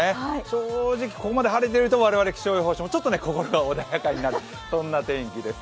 正直、ここまで晴れていると我々、気象予報士もちょっと心が穏やかになる、そんな天気です。